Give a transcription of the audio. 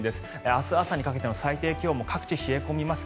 明日朝にかけての最低気温も各地冷え込みます。